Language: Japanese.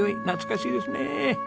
懐かしいですね。